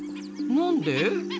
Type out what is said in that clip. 何で？